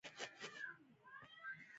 نارې چې کاکړۍ غاړې هم ورته ویل کیږي.